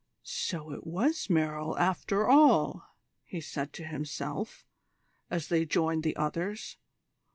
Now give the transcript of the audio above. "So it was Merrill, after all!" he said to himself, as they joined the others.